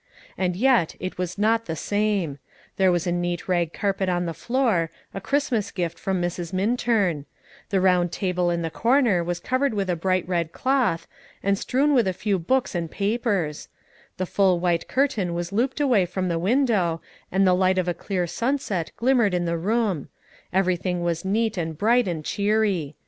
And yet it was not the same, there was a neat rag carpet on the floor, a Christmas gift from Mrs. Minturn; the round table in the corner was covered with a bright red cloth, and strewn with a few books and papers; the full white curtain was looped away from the window, and the light of a clear sunset glimmered in the room; everything was neat and bright and cheery.